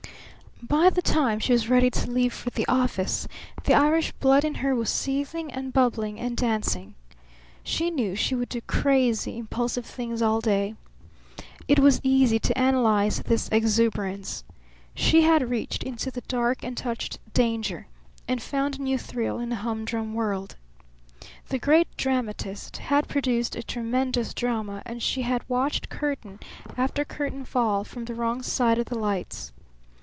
By the time she was ready to leave for the office the Irish blood in her was seething and bubbling and dancing. She knew she would do crazy, impulsive things all day. It was easy to analyze this exuberance. She had reached out into the dark and touched danger, and found a new thrill in a humdrum world. The Great Dramatist had produced a tremendous drama and she had watched curtain after curtain fall from the wrong side of the lights.